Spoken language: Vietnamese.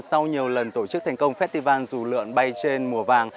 sau nhiều lần tổ chức thành công festival dù lượn bay trên mùa vàng